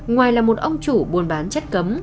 ngoài là một ông chủ buôn bán chất cấm